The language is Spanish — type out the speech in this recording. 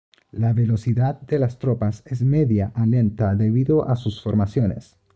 La velocidad de las tropas es media a lenta debido a sus formaciones.